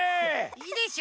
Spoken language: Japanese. いいでしょ？